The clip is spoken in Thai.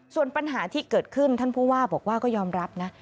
ส่วนปัญหาที่เกิดขึ้นท่านผู้ว่าบอกว่าก็ยอมรับนะ